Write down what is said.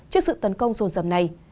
trước sự tấn công dồn dầm này